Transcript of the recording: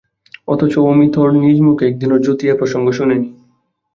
অথচ অমিতর নিজ মুখে একদিনও যতী এ প্রসঙ্গ শোনে নি।